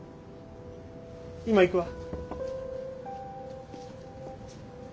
今行くわ。